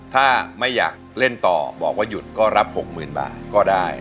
ถ้าไม่อยากเล่นต่อบอกว่าหยุดก็รับ๖๐๐๐บาทก็ได้